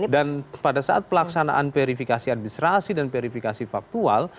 dan pada saat pelaksanaan verifikasi administrasi dan verifikasi faktual